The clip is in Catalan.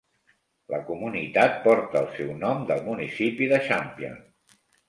La comunitat porta el seu nom del municipi de Champion.